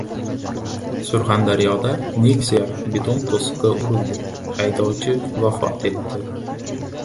Surxondaryoda «Nexia» beton to‘siqqa urildi, haydovchi vafot etdi